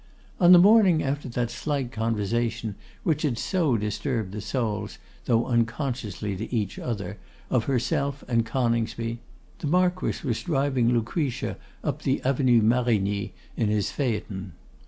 On the morning after that slight conversation, which had so disturbed the souls, though unconsciously to each other, of herself and Coningsby, the Marquess was driving Lucretia up the avenue Marigny in his phaeton.